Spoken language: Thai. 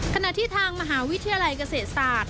ขณะที่ทางมหาวิทยาลัยเกษตรศาสตร์